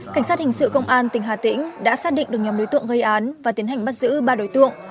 cảnh sát hình sự công an tỉnh hà tĩnh đã xác định được nhóm đối tượng gây án và tiến hành bắt giữ ba đối tượng